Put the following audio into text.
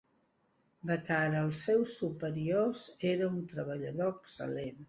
De cara als seus superiors era un treballador excel·lent.